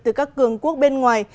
từ các cường quốc bên ngoài